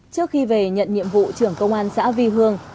trước khi về nhận nhiệm vụ trưởng công an xã vi hương